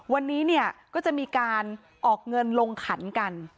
วันนี้เนี่ยก็จะมีการออกเงินลงขันกัน